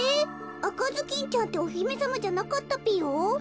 あかずきんちゃんっておひめさまじゃなかったぴよ。